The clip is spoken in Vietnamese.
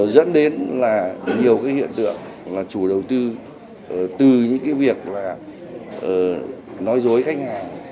dẫn đến là nhiều hiện tượng là chủ đầu tư từ những việc nói dối khách hàng